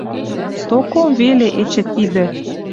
Токо веле эче тидӹ